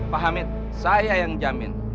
pak hamid saya yang jamin